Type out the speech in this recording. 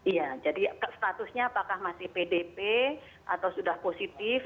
iya jadi statusnya apakah masih pdp atau sudah positif